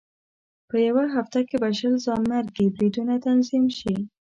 په یوه هفته کې به شل ځانمرګي بریدونه تنظیم شي.